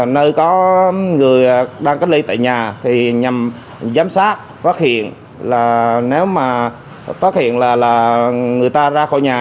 nơi có người đang cách ly tại nhà thì nhằm giám sát phát hiện là nếu mà phát hiện là người ta ra khỏi nhà